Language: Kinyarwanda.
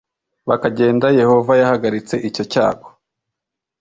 bakagenda yehova yahagaritse icyo cyago